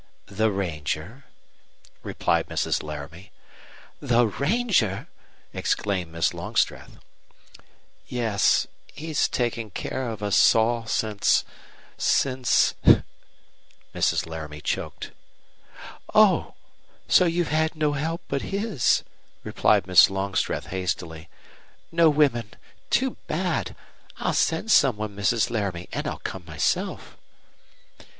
"The ranger," replied Mrs. Laramie. "The ranger!" exclaimed Miss Longstreth. "Yes, he's taken care of us all since since " Mrs. Laramie choked. "Oh! So you've had no help but his," replied Miss Longstreth, hastily. "No women. Too bad! I'll send some one, Mrs. Laramie, and I'll come myself."